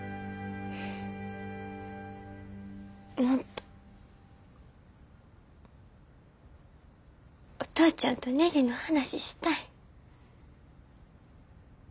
もっとお父ちゃんとねじの話したい。